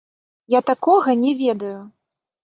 Я такога не ведаю!